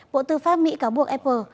bộ tư pháp mỹ cáo buộc apple